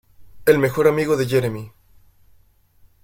El mejor amigo de Jeremy.